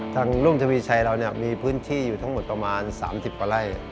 รุ่งทวีชัยเรามีพื้นที่อยู่ทั้งหมดประมาณ๓๐กว่าไร่